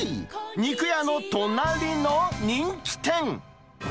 肉屋のトナリの人気店。